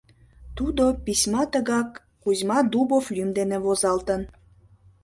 Тудо письма тыгак Кузьма Дубов лӱм дене возалтын.